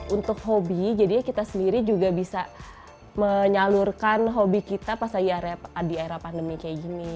untuk hobi jadinya kita sendiri juga bisa menyalurkan hobi kita pas lagi di era pandemi kayak gini